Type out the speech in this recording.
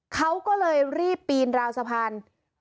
เขาก็เลยรีบปีนราวสะพาน